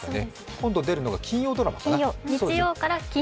今度出るのは金曜ドラマかな。